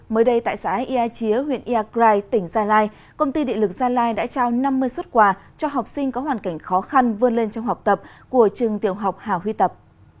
mới đây tại xã ia chía huyện iagrai tỉnh gia lai công ty địa lực gia lai đã trao năm mươi xuất quà cho học sinh có hoàn cảnh khó khăn vươn lên trong học tập của trường tiểu học hà huy tập